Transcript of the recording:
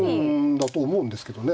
だと思うんですけどね。